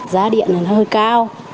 giá điện thì hơi cao